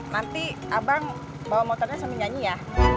nanti abang bawa motornya sambil nyanyi ya